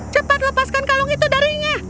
cepat lepaskan kalung itu darinya